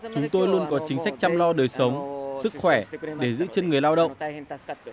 chúng tôi luôn có chính sách chăm lo đời sống sức khỏe để giữ chân người lao động